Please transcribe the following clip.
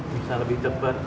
bisa lebih cepat